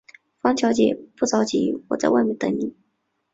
方小姐，不着急，我在外面等妳。